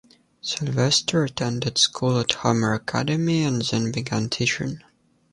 Sylvester attended school at Homer Academy and then began teaching.